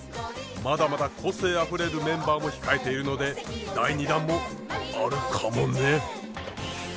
まだまだ個性あふれるメンバーも控えているので第２弾もあるかもね。